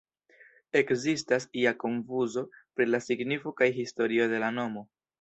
Ekzistas ia konfuzo pri la signifo kaj historio de la nomo.